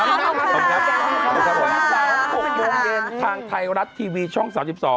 ๖โมงเงินทางไทยรัฐทีวีช่อง๓๒